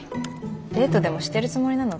デートでもしてるつもりなの？